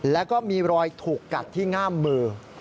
แล้วก็มีรอยถูกกัดที่ง่ามมือ